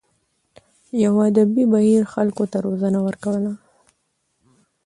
یوه ادبي بهیر خلکو ته روزنه ورکوله.